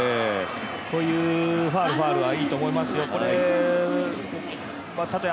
こういうファウル、ファウルもいいと思いますよ